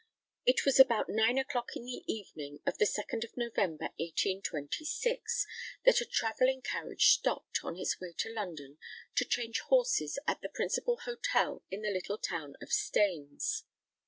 It was about nine o'clock in the evening of the 2nd of November, 1826, that a travelling carriage stopped, on its way to London, to change horses at the principal hotel in the little town of Staines.